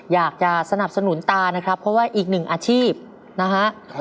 อยากจะสนับสนุนตานะครับเพราะว่าอีกหนึ่งอาชีพนะฮะ